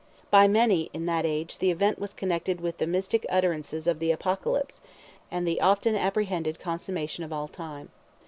By many in that age the event was connected with the mystic utterances of the Apocalypse, and the often apprehended consummation of all Time.